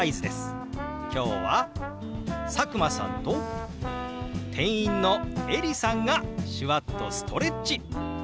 今日は佐久間さんと店員のエリさんが手話っとストレッチ！